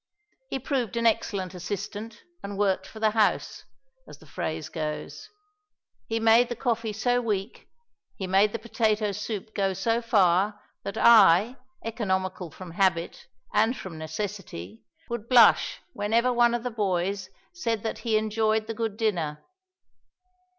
He proved an excellent assistant and worked for the house as the phrase goes he made the coffee so weak, he made the potato soup go so far, that I, economical from habit and from necessity, would blush whenever one of the boys said that he enjoyed the good dinner.